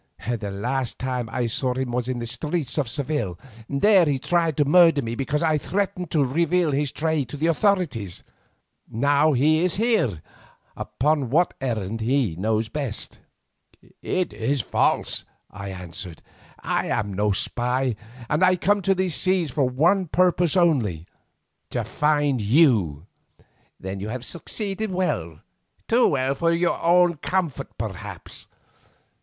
The last time that I saw him was in the streets of Seville, and there he tried to murder me because I threatened to reveal his trade to the authorities. Now he is here, upon what errand he knows best." "It is false," I answered; "I am no spy, and I am come to these seas for one purpose only—to find you." "Then you have succeeded well, too well for your own comfort, perhaps.